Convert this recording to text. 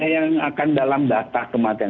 yang akan dalam data kematian